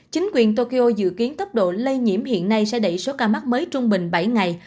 chính quyền tokyo dự kiến tốc độ lây nhiễm hiện nay sẽ đẩy số ca mắc mới trung bình bảy ngày